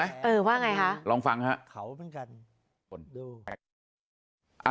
เออว่าไงฮะลองฟังฮะ